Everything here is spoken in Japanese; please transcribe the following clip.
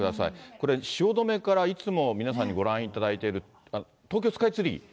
これ、汐留からいつも皆さんにご覧いただいている、東京スカイツリー。